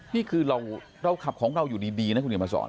นี่คือเราขับของเราอยู่ดีนะคุณเห็นมาสอน